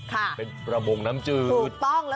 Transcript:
ค่ะถูกต้องเป็นระมวงน้ำจืด